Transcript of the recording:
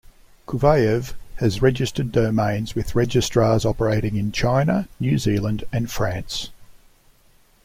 Kuvayev has registered domains with registrars operating in China, New Zealand, and France.